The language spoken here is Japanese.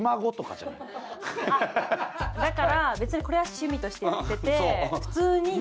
だから別にこれは趣味としてやってて普通に。